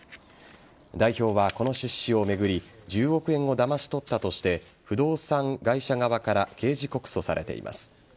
代表はこの出資を巡り１０億円をだまし取ったとして不動産会社側から刑事告訴されています。